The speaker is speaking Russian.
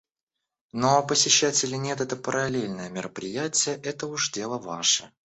Ну а посещать или нет это параллельное мероприятие — это уж дело ваше.